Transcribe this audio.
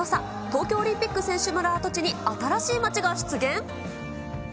東京オリンピック選手村跡地に新しい街が出現？